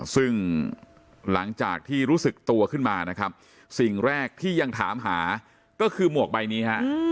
ซึ่งหลังจากที่รู้สึกตัวขึ้นมานะครับสิ่งแรกที่ยังถามหาก็คือหมวกใบนี้ฮะ